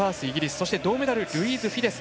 そして、銅メダルルイーズ・フィデス。